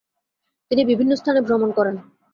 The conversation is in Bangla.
তিনি বিভিন্ন স্থানে ভ্রমণ করেন।